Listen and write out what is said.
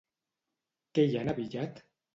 Què hi han abillat?